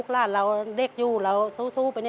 เราเล็กยู่เราสู้ไป